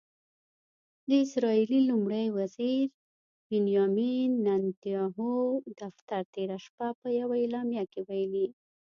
د اسرائیلي لومړي وزیر بنیامن نتنیاهو دفتر تېره شپه په یوه اعلامیه کې ویلي